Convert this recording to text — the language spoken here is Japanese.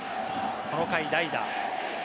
この回、代打。